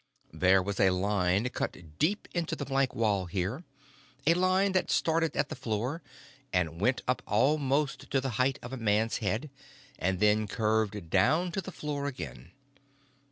There was a line cut deep into the blank wall here, a line that started at the floor, went up almost to the height of a man's head, and then curved down to the floor again.